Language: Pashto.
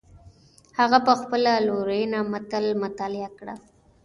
هغه په خپله لورینه متن مطالعه کړ.